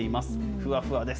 ふわふわです。